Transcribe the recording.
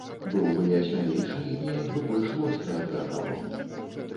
Быў бы я смялейшы, неяк бы больш востра адрэагаваў.